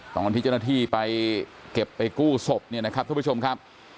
ตอนที่เจ้าหน้าที่ไปเก็บไปกู้ศพเนี่ยนะครับทุกผู้ชมครับ